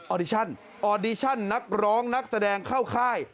อดิชั่นออดิชั่นนักร้องนักแสดงเข้าค่าย